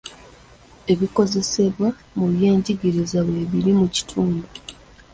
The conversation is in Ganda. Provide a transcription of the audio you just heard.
Ebikozesebwa mu byenjigiriza weebiri mu kitundu.